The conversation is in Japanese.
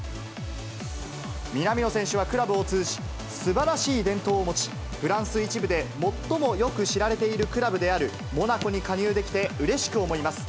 南野選手はクラブを通じ、すばらしい伝統を持ち、フランス１部で最もよく知られているクラブであるモナコに加入できてうれしく思います。